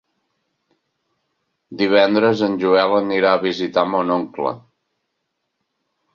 Divendres en Joel anirà a visitar mon oncle.